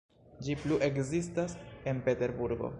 Ĝi plu ekzistas en Peterburgo.